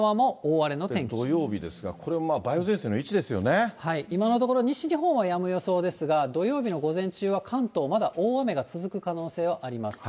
土曜日ですが、これ、梅雨前今のところ、西日本はやむ予想ですが、土曜日の午前中は関東、まだ大雨が続く可能性はあります。